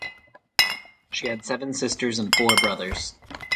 She had seven sisters and four brothers.